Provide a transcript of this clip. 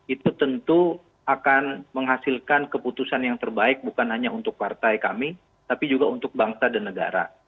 itu tentu akan menghasilkan keputusan yang terbaik bukan hanya untuk partai kami tapi juga untuk bangsa dan negara